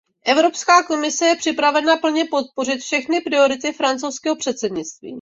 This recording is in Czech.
Evropská komise je připravena plně podpořit všechny priority francouzského předsednictví.